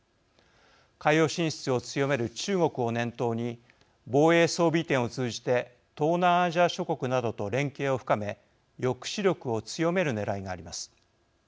海洋進出を強める中国を念頭に防衛装備移転を通じて東南アジア諸国などと連携を深め抑止力を強めるねらいがあります。